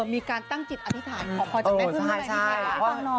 มีการตั้งจิตอธิษฐานของพ่อจากแม่เพลิน